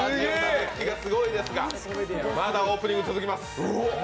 熱気がすごいですがまだオープニング続きます。